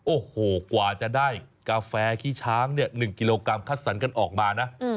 โอ้โหกว่าจะได้กาแฟขี้ช้าง๑กิโลกรัมคัดสรรกันออกมานะ